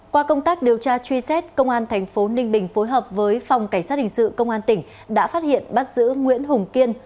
qua công tác điều tra truy xét công an thành phố ninh bình phối hợp với phòng cảnh sát hình sự công an tỉnh đã phát hiện bắt giữ nguyễn hùng kiên